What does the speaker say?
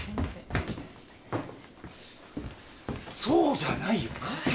そうじゃないよ。